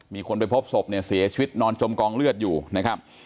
มีคนไปพบศพเนี่ยเสียชีวิตนอนจมกองเลือดอยู่นะครับ